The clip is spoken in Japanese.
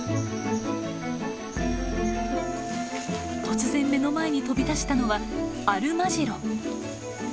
突然目の前に飛び出したのはアルマジロ。